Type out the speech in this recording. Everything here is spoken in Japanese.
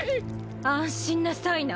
安心なさいな。